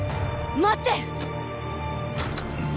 待って！